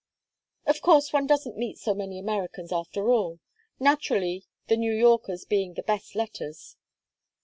"Of course one doesn't meet so many Americans, after all. Naturally, the New Yorkers bring the best letters."